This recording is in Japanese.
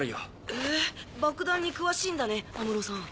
へぇ爆弾に詳しいんだね安室さん。